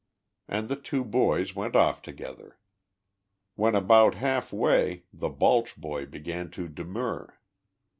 And the two boys went off together. When about half way the Balch boy began to demur.